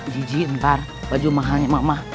gigi ntar baju mahalnya mama